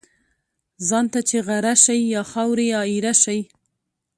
ځان ته چی غره شی ، یا خاوري یا ايره شی .